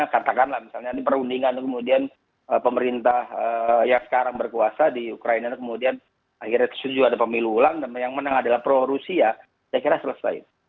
katakanlah misalnya nanti perundingan kemudian pemerintah yang sekarang berkuasa di ukraina kemudian akhirnya setuju ada pemilu ulang dan yang menang adalah pro rusia saya kira selesai